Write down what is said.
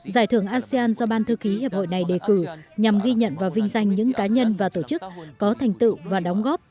giải thưởng asean do ban thư ký hiệp hội này đề cử nhằm ghi nhận và vinh danh những cá nhân và tổ chức có thành tựu và đóng góp